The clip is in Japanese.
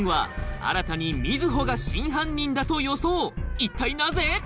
一体なぜ？